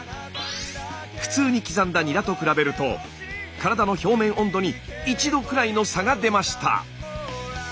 普通に刻んだニラと比べると体の表面温度に１℃くらいの差が出ました。